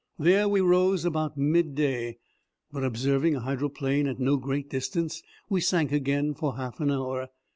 There we rose about midday, but, observing a hydroplane at no great distance, we sank again for half an hour.